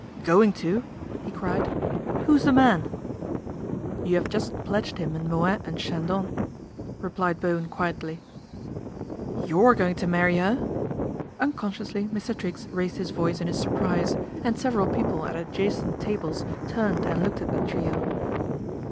" Going to," he cried. " Who's the man ?"" You have just pledged him in Moet and Chandon," replied Bowen quietly. * You going to marry 'er ?" Unconsciously Mr. Triggs raised his voice in his surprise, and several people at adjacent tables turned and looked at the trio.